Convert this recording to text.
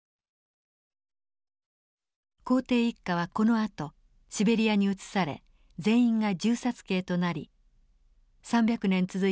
皇帝一家はこのあとシベリアに移され全員が銃殺刑となり３００年続いたロマノフ王朝は滅亡します。